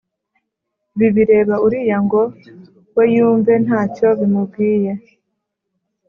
ibi bireba uriya ngo we yumve ntacyo bimubwiye.